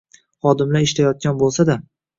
xodimlar ishlayotgan bo‘lsa-da